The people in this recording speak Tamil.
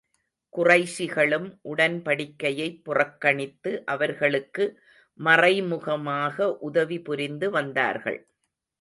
குறைஷிகளும் உடன்படிக்கையைப் புறக்கணித்து, அவர்களுக்கு மறைமுகமாக உதவி புரிந்து வந்தார்கள்.